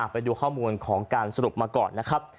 ไปดูข้อมูลของการสรุปมาก่อนนะครับ